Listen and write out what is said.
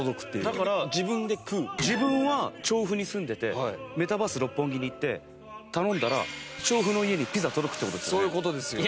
だから自分は調布に住んでてメタバース六本木に行って頼んだら調布の家にピザが届くって事ですよね？